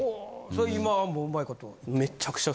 それ今はもううまいこと。